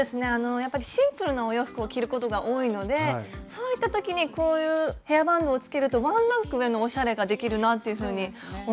やっぱりシンプルなお洋服を着ることが多いのでそういった時にこういうヘアバンドをつけるとワンランク上のおしゃれができるなというふうに思いました。